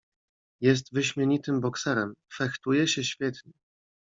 "Jest wyśmienitym bokserem, fechtuje się świetnie."